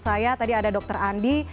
saya tadi ada dr andi